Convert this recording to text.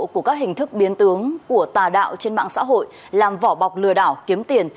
của các hình thức biến tướng của tà đạo trên mạng xã hội làm vỏ bọc lừa đảo kiếm tiền